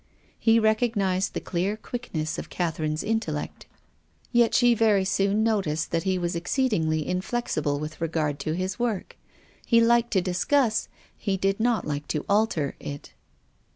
He recognised the clear quickness of '^Catherine's intellect. Yet she very soon 140 TONGUES OF CONSCIENCE. noticed that he was exceedingly inflexible with regard to his work. He liked to discuss, he did not like to alter, it.